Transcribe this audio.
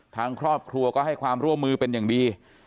ทางครอบครัวก็ให้ความร่วมมือเป็นอย่างดี